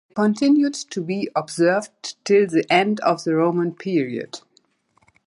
They continued to be observed till the end of the Roman period.